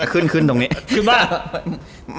ขึ้นตรงนี้ขึ้นบ้าง